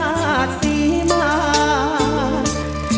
เพื่อจะไปชิงรางวัลเงินล้าน